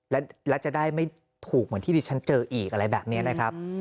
แล้วจะได้ไม่ถูกเหมือนที่ดิฉันเจออีกอะไรแบบนี้นะครับ